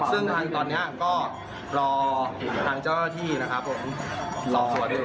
ซึ่งทางตอนนี้ก็รอทางเจ้าที่นะครับผม